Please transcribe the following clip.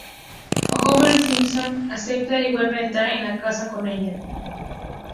Homer Simpson acepta y vuelve a entrar en la casa con ella.